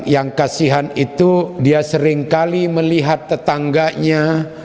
yang kasihan itu dia seringkali melihat tetangganya